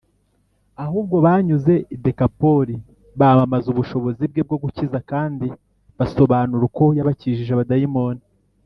ahubwo banyuze i dekapoli bamamaza ubushobozi bwe bwo gukiza, kandi basobanura uko yabakijije abadayimoni